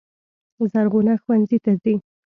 زرغونه ښوونځي ته ځي.